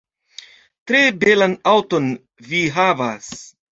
Tre belan aŭton vi havas